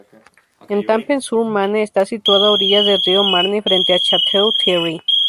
Étampes-sur-Marne está situada a orillas del río Marne, frente a Château-Thierry.